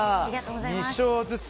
２勝ずつ。